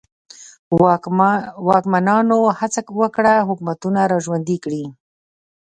واکمنانو هڅه وکړه حکومتونه را ژوندي کړي.